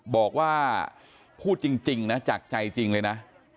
บอกว่าพูดจริงนะจากใจจริงเลยนะ